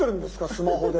スマホで。